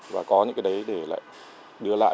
và có những cái đấy để lại đưa lại